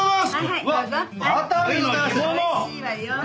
はいおいしいわよ。